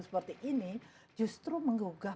seperti ini justru menggugah